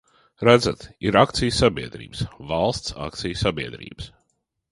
Redzat, ir akciju sabiedrības, valsts akciju sabiedrības.